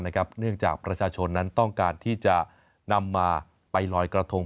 เนื่องจากประชาชนนั้นต้องการที่จะนำมาไปลอยกระทง